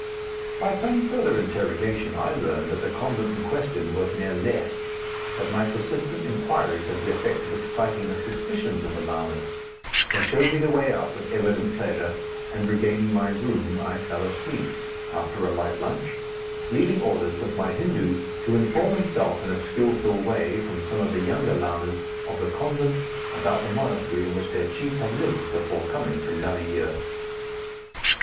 By some further interrogation I learned that the convent in question was near Leh, but my persistent inquiries had the effect of exciting the suspicions of the lamas. They showed me the way out with evident pleasure, and regaining my room, I fell asleep after a light lunch leaving orders with my Hindu to inform himself in a skillful way, from some of the younger lamas of the convent, about the monastery in which their chief had lived before coming to Lamayure.